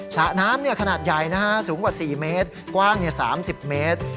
สระน้ำขนาดใหญ่นะฮะสูงกว่า๔เมตรกว้าง๓๐เมตร